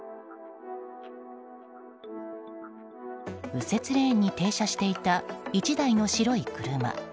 右折レーンに停車していた１台の白い車。